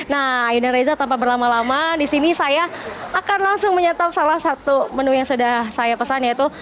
nah ayu dan reza tanpa berlama lama di sini saya akan langsung menyatap salah satu menu yang sudah saya pesan yaitu